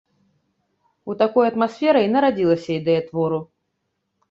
У такой атмасферы і нарадзілася ідэя твору.